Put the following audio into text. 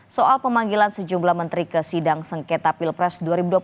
soal pemanggilan sejumlah menteri ke sidang sengketa pilpres dua ribu dua puluh